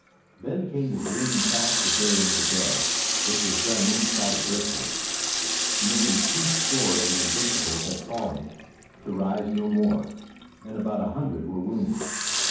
Then came the grim task of burying the dead, which was done inside the earthworks. Nearly two score of the Invincibles had fallen to rise no more, and about a hundred were wounded.